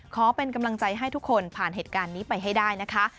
ขอเป็นกำลังใจให้ทุกคนผ่านเหตุการณ์นี้ไปให้ได้นะคะ